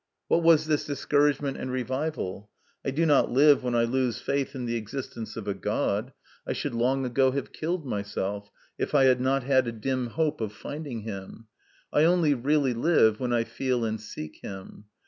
What was this discouragement and revival ? I do not live when I lose faith in the existence of a God ; I should long ago have killed myself, if I had not had a dim hope of finding Him. I only really live when I feel and seek Him.